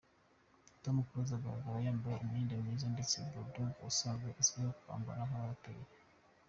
Tom Close agaragara yambaye imyenda myiza ndetse Bull Dog usanzwe uzwiho kwambara nk’abaraperi.